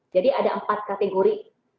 jadi ada empat kategori